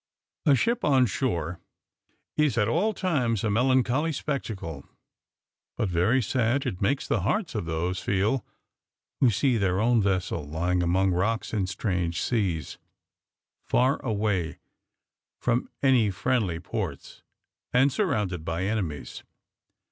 A ship on shore is, at all times, a melancholy spectacle; but very sad it makes the hearts of those feel who see their own vessel lying among rocks in strange seas, far away from any friendly ports, and surrounded by enemies.